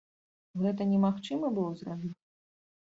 Гэтага немагчыма было зрабіць?